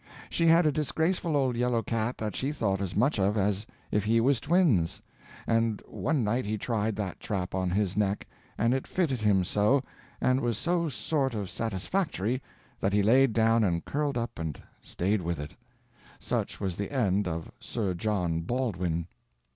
She had a disgraceful old yellow cat that she thought as much of as if he was twins, and one night he tried that trap on his neck, and it fitted him so, and was so sort of satisfactory, that he laid down and curled up and stayed with it. Such was the end of Sir John Baldwin."